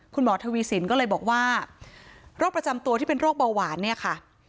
คุณหมอทวีสินก็เลยบอกว่าโรคประจำตัวที่เป็นโรคเบาหวานเนี่ยค่ะ